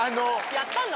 やったの？